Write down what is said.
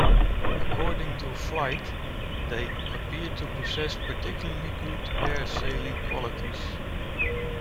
According to "Flight", they "appear to possess particularly good air-sailing qualities".